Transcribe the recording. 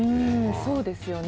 そうですよね。